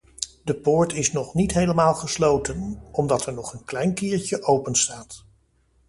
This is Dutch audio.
De poort is niet helemaal gesloten, omdat er nog een klein kiertje openstaat.